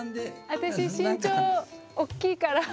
私身長大きいから。